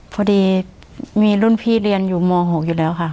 พอดีมีรุ่นพี่เรียนอยู่ม๖อยู่แล้วค่ะ